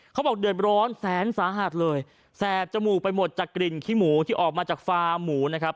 เขาบอกเดือดร้อนแสนสาหัสเลยแสบจมูกไปหมดจากกลิ่นขี้หมูที่ออกมาจากฟาร์หมูนะครับ